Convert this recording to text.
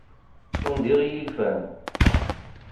Undiɣ i yilfan.